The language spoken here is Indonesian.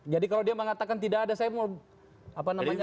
jadi kalau dia mengatakan tidak ada saya mau apa namanya